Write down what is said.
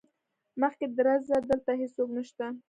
مخکې درځه دلته هيڅوک نشته.